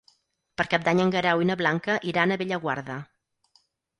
Per Cap d'Any en Guerau i na Blanca iran a Bellaguarda.